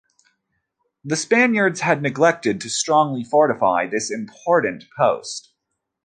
The Spaniards had neglected to strongly fortify this important post.